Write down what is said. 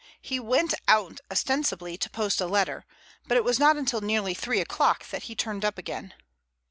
He went out ostensibly to post a letter, but it was not until nearly three o'clock that he turned up again.